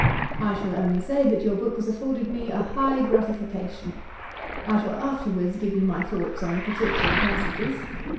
I shall only say, that your book has afforded me a high gratification. I shall afterwards give you my thoughts on particular passages.